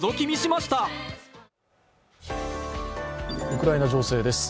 ウクライナ情勢です。